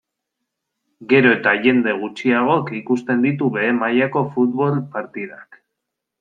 Gero eta jende gutxiagok ikusten ditu behe mailako futbol partidak.